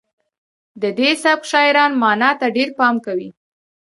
د دې سبک شاعران معنا ته ډیر پام کوي